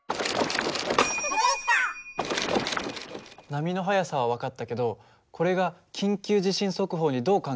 波の速さは分かったけどこれが緊急地震速報にどう関係してるの？